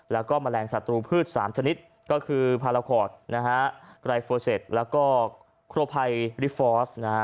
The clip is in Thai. และก็แมลงสัตว์ตรูพืช๓ชนิดก็คือพาราคอร์ดไกรฟอร์เซตและโครไพรริฟอร์ส